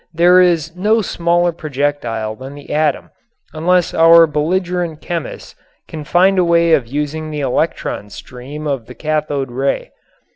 There is no smaller projectile than the atom unless our belligerent chemists can find a way of using the electron stream of the cathode ray.